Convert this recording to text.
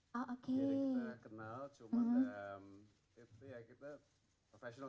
jadi kita kenal cuman dalam itu ya kita professional